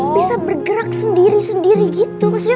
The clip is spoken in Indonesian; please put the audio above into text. bisa bergerak sendiri sendiri gitu